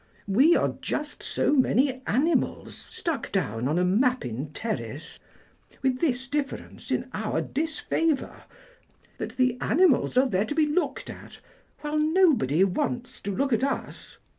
We are just so many animals stuck down on a Mappin terrace, with this difference in our disfavour, that the animals are there to be looked at, while nobody wants to look at us.